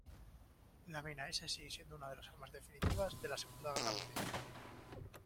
La mina-S sigue siendo una de las armas definitivas de la Segunda Guerra Mundial.